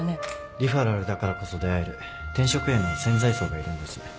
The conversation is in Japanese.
リファラルだからこそ出会える転職への潜在層がいるんです